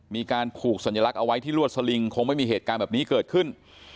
มีการผูกสัญลักษณ์เอาไว้ที่ลวดสลิงคงไม่มีเหตุการณ์แบบนี้เกิดขึ้น